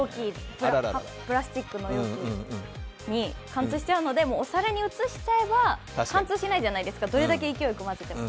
プラスチックの容器に貫通しちゃうのでお皿に移しちゃえば貫通しないじゃないですかぁどれだけ勢いよく混ぜても。